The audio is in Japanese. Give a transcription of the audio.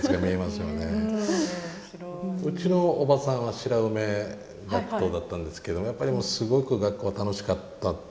うちのおばさんは白梅学徒だったんですけどやっぱりすごく学校楽しかったって。